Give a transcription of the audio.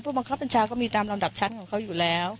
บังคับบัญชาก็มีตามลำดับชั้นของเขาอยู่แล้ว